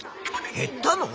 減ったの？